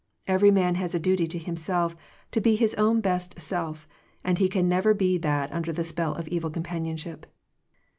Every man has a duty to himself to be his own best self, and he can never be that under the spell of evil companionship.